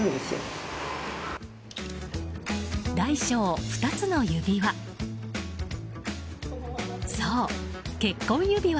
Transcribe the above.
大小２つの指輪。